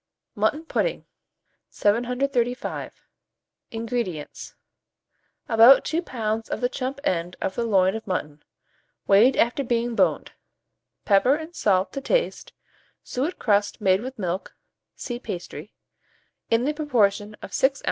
MUTTON PUDDING. 735. INGREDIENTS. About 2 lbs. of the chump end of the loin of mutton, weighed after being boned; pepper and salt to taste, suet crust made with milk (see Pastry), in the proportion of 6 oz.